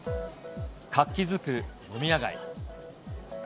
活気づく飲み屋街。